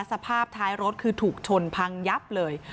สภาพท้ายรถคือถูกชนพังยับเลย